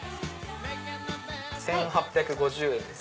１８５０円です。